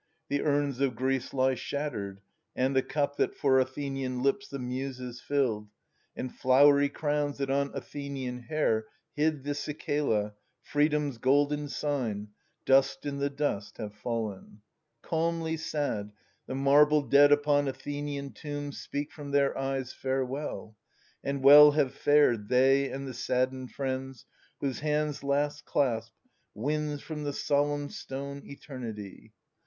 The urns of Greece he shattered, and the cup That for Athenian hps the Muses filled, And flowery crowns that on Athenian hair Hid the cicala, freedom's golden sign. Dust in the dust have fallen. Calmly sad, The marble dead upon Athenian tombs Speak from their eyes " Farewell :" and well have fared They and the saddened friends, whose hands last clasp Wins from the solemn stone eternity.